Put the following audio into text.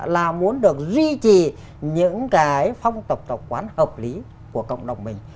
là muốn được duy trì những cái phong tộc tộc quán hợp lý của cộng đồng mình